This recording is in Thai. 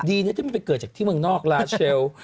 ที่มันไปเกิดจากที่เมืองนอกลาเชล